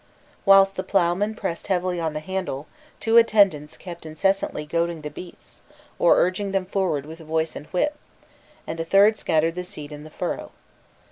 Whilst the ploughman pressed heavily on the handle, two attendants kept incessantly goading the beasts, or urging them forward with voice and whip, and a third scattered the seed in the furrow.